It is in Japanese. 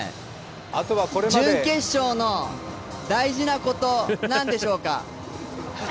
「準決勝の大事なこと、何でしょうか？」